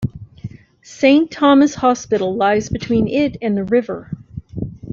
Saint Thomas' Hospital lies between it and the river.